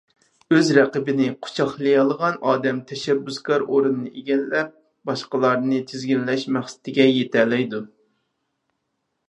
ئۆز رەقىبىنى قۇچاقلىيالىغان ئادەم تەشەببۇسكار ئورۇننى ئىگىلەپ باشقىلارنى تىزگىنلەش مەقسىتىگە يېتەلەيدۇ.